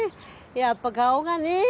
やっぱ顔がねえ。